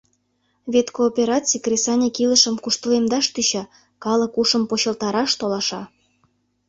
Вет коопераций кресаньык илышым куштылемдаш тӧча, калык ушым почылтараш толаша.